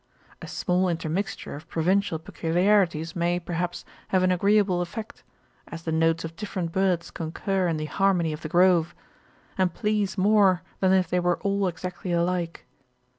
A small intermixture of provincial peculiarities may, perhaps, have an agreeable effect, as the notes of different birds concur in the harmony of the grove, and please more than if they were all exactly alike.